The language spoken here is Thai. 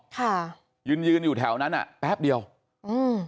ค่ะยืนยืนอยู่แถวนั้นอ่ะแป๊บเดียวอืม